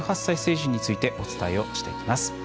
１８歳成人についてお伝えをしていきます。